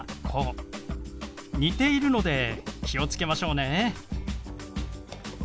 似ているので気を付けましょうね。